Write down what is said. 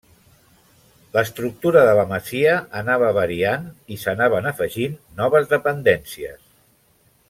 L'estructura de la masia anava variant i s'anaven afegint noves dependències.